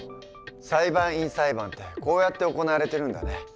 裁判員裁判ってこうやって行われてるんだね。